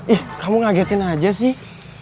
ih kamu ngagetin aja sih